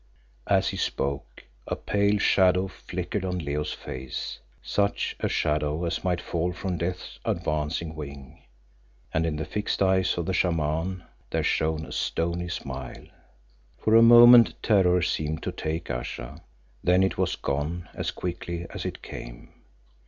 As he spoke a pale shadow flickered on Leo's face, such a shadow as might fall from Death's advancing wing, and in the fixed eyes of the Shaman there shone a stony smile. For a moment terror seemed to take Ayesha, then it was gone as quickly as it came.